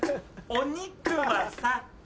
お肉はさ